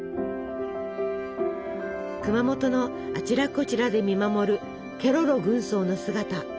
熊本のあちらこちらで見守るケロロ軍曹の姿。